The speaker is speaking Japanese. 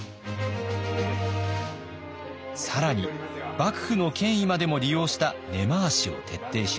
更に幕府の権威までも利用した根回しを徹底します。